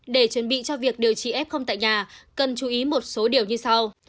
để chuẩn bị cho việc điều trị f tại nhà cần chú ý một số điều như sau